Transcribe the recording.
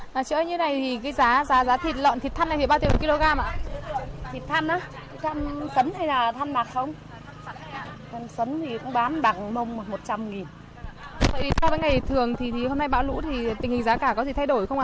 vì sao với ngày thường thì hôm nay bão lũ thì tình hình giá cả có gì thay đổi không ạ